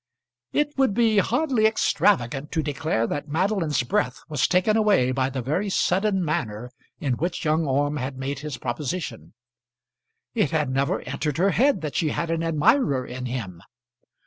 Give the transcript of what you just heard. It would be hardly extravagant to declare that Madeline's breath was taken away by the very sudden manner in which young Orme had made his proposition. It had never entered her head that she had an admirer in him.